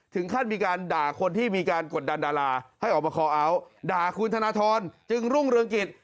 ถึงขั้นมีการด่าคนที่มีการกดดันดาราให้ออกมาคอเอาท์ด่าคุณธนทรจึงรุ่งเรืองกิจ